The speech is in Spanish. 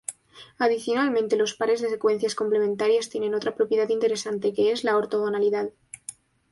Adicionalmente, los pares de secuencias complementarias tienen otra propiedad interesante, que es la ortogonalidad.